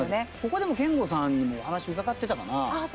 ここでも憲剛さんにもお話伺ってたかな。